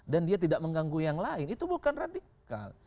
dan dia tidak mengganggu yang lain itu bukan radikal